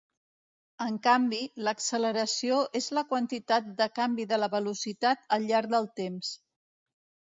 En canvi, l'acceleració és la quantitat de canvi de la velocitat al llarg del temps.